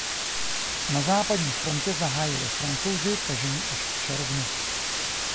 Na západní frontě zahájili Francouzi tažení až v červnu.